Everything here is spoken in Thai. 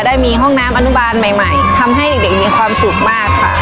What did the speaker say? ได้มีห้องน้ำอนุบาลใหม่ทำให้เด็กมีความสุขมากค่ะ